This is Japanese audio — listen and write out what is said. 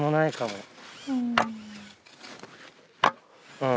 うん。